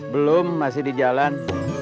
belum masih di jalan